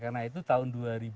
karena itu tahun dua ribu tujuh